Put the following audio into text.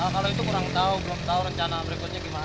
kalau itu kurang tahu belum tahu rencana berikutnya gimana